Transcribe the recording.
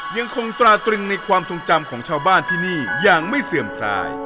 ยังคงตราตรึงในความทรงจำของชาวบ้านที่นี่อย่างไม่เสื่อมคลาย